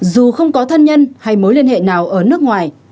dù không có thân nhân hay mối liên hệ nào ở nước ngoài